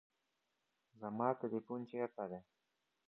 زما تلیفون چیرته دی؟